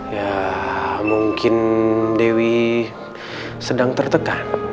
ya mungkin dewi sedang tertekan